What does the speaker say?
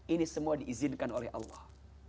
ini semua diizinkan oleh allah